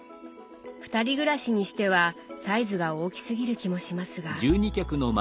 二人暮らしにしてはサイズが大きすぎる気もしますが。